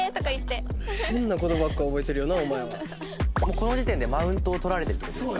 この時点でマウントを取られてるって事ですか？